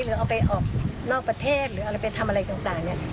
หรือเอาไปออกนอกประเทศหรืออะไรไปทำอะไรต่างเนี่ย